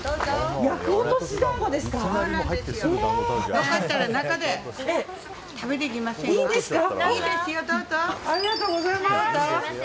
良かったら、中で食べていきませんか？